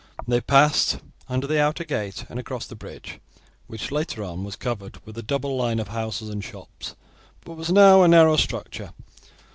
They passed under the outer gate and across the bridge, which later on was covered with a double line of houses and shops, but was now a narrow structure.